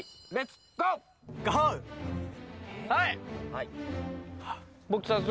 はい。